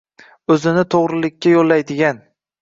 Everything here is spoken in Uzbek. o'zini to'g'rilikka yo'llaydigan